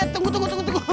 tunggu tunggu tunggu